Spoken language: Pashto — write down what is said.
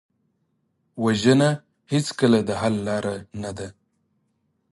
وژنه هېڅکله د حل لاره نه ده